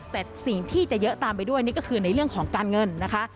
แต่สิ่งที่จะเยอะตามไปด้วยนี่ก็คือในเรื่องของการเงินนะคะ